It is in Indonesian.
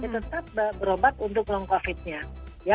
tetap berobat untuk long covidnya